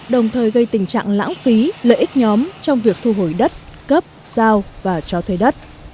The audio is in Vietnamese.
đồng thời gây tình trạng lãng phí lợi ích nhóm trong việc thu hồi đất cấp giao và cho thuê đất